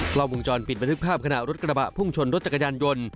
กล้องวงจรปิดบันทึกภาพขณะรถกระบะพุ่งชนรถจักรยานยนต์